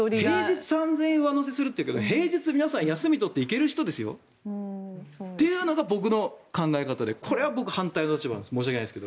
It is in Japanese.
平日３０００円上乗せするっていうけど平日、休み取って行ける人ですよ？というのが、僕の考え方でこれは僕は反対の立場です。